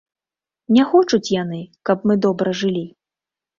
Не хочуць яны, каб мы добра жылі.